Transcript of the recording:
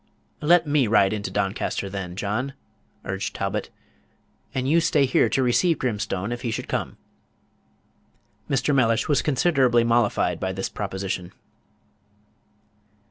"Let me ride into Doncaster, then, John," urged Talbot, "and you stay here to receive Grimstone if he should come." Mr. Mellish was considerably mollified by this proposition.